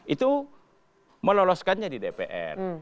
itu meloloskannya di dpr